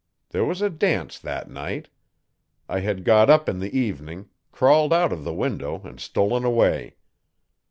There was a dance that night. I had got up in the evening, crawled out of the window and stolen away.